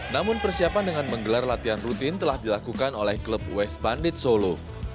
namun persiapan dengan menggelar latihan rutin telah dilakukan oleh klub west bandit solo